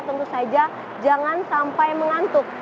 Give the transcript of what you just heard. tentu saja jangan sampai mengantuk